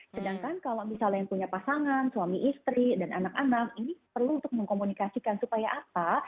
sedangkan kalau misalnya yang punya pasangan suami istri dan anak anak ini perlu untuk mengkomunikasikan supaya apa